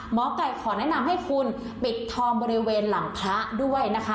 หมอไก่ขอแนะนำให้คุณปิดทองบริเวณหลังพระด้วยนะคะ